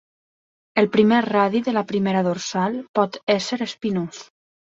El primer radi de la primera dorsal pot ésser espinós.